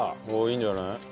おおいいんじゃない？